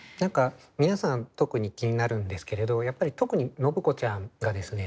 皆さん特に気になるんですけれどやっぱり特に信子ちゃんがですね